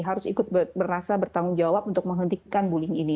harus ikut merasa bertanggung jawab untuk menghentikan bullying ini